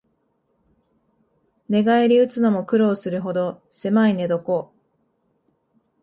寝返りうつのも苦労するほどせまい寝床